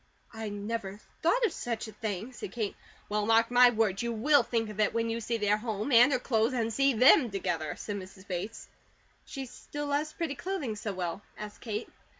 "I never thought of such a thing," said Kate. "Well, mark my word, you WILL think of it when you see their home, and her clothes, and see them together," said Mrs. Bates. "She still loves pretty clothing so well?" asked Kate.